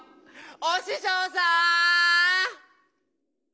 おししょうさん！